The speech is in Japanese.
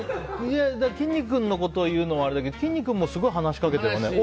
きんに君のことを言うのはあれだけどきんに君もすごい話しかけてますよね。